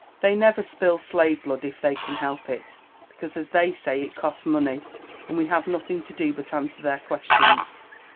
" They never spill slave blood if they can help it, because, as they say, it costs money ; and we have nothing to do but answer their questions.